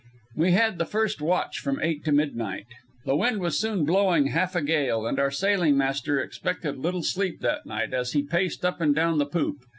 We had the first watch from eight to midnight. The wind was soon blowing half a gale, and our sailing master expected little sleep that night as he paced up and down the poop.